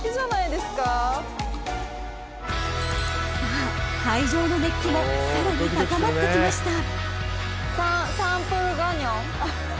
［さあ会場の熱気もさらに高まってきました］